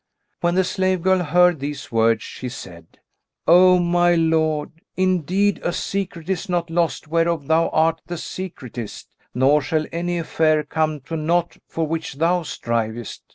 When the slave girl heard these words she said, "O my lord, indeed a secret is not lost whereof thou art the secretist; nor shall any affair come to naught for which thou strivest.